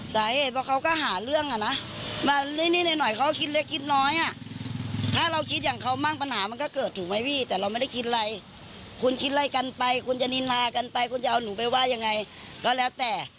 อแมนมณ์ก็ว่าอย่างไรแล้วแล้วแต่